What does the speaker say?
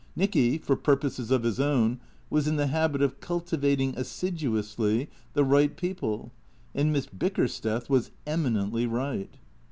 Nicky, for purposes of his own, was in the habit of cultivating, assiduously, the right people; and Miss Bickersteth was eminently right.